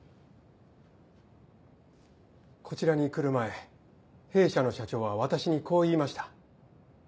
こちらに来る前弊社の社長は私にこう言いました。